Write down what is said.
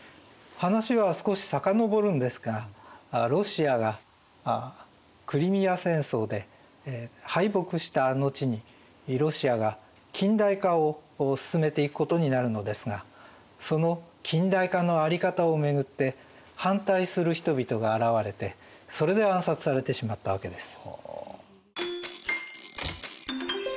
話は少し遡るんですがロシアがクリミア戦争で敗北した後にロシアが近代化を進めていくことになるのですがその近代化の在り方を巡って反対する人々が現れてそれで暗殺されてしまったわけです。